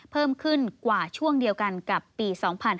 เพิ่มขึ้นกว่าช่วงเดียวกันกับปี๒๕๕๙